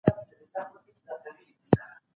وده، او د پښتنو شاتګ په هيواد کي، زموږ ځیني